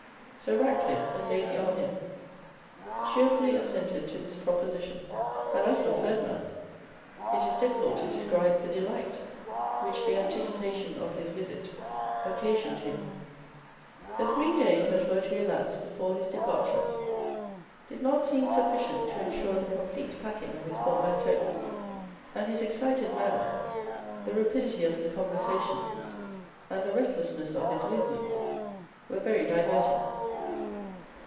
Sir Ratcliffe and Lady Armine cheerfully assented to this proposition; and as for Ferdinand, it is difficult to describe the delight which the anticipation of his visit occasioned him. The three days that were to elapse before his departure did not seem sufficient to ensure the complete packing of his portmanteau: and his excited manner, the rapidity of his conversation, and the restlessness of his movements were very diverting.